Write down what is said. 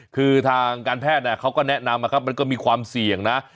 คือทางการแพทย์เขาก็แนะนำนะครับมันก็มีความเสี่ยงนะ